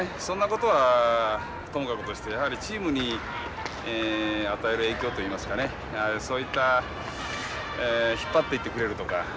そんなことはともかくとしてやはりチームに与える影響といいますかねそういった引っ張っていってくれるとか。